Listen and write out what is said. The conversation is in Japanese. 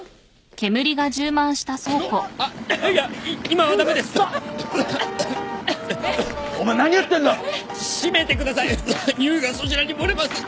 臭いがそちらに漏れます！